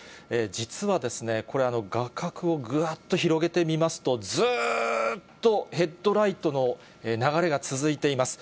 実はこれ、画角をぐわっと広げてみますと、ずーっとヘッドライトの流れが続いています。